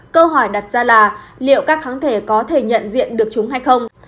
câu hỏi đặt ra là liệu các kháng thể có thể nhận diện được chúng hay không